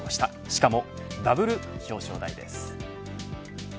しかも、ダブル表彰台です。